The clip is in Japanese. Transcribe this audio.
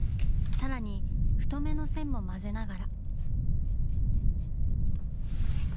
さらに太めの線も混ぜながら。